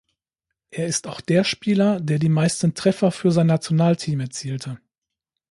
Er ist auch der Spieler, der die meisten Treffer für sein Nationalteam erzielte.